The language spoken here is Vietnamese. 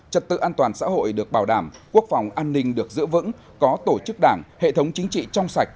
trật tự an toàn xã hội được bảo đảm quốc phòng an ninh được giữ vững có tổ chức đảng hệ thống chính trị trong sạch